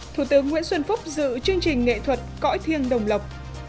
thủ tướng nguyễn xuân phúc dự chương trình nghệ thuật cõi thiêng đồng lộc